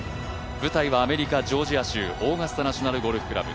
舞台はアメリカ・ジョージア州、オーガスタ・ナショナル・ゴルフクラブ。